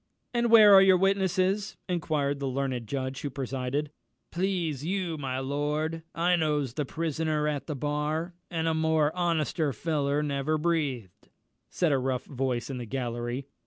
"And where are your witnesses?" inquired the learned judge who presided. "Please you, my lord, I knows the prisoner at the bar, and a more honester feller never breathed," said a rough voice in the gallery.